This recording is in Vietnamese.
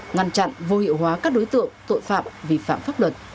ngăn chặn vô hiệu hóa các đối tượng tội phạm vi phạm pháp luật